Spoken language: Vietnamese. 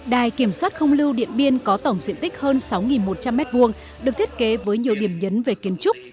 đài kiểm soát không lưu điện biên có tổng diện tích hơn sáu một trăm linh m hai được thiết kế với nhiều điểm nhấn về kiến trúc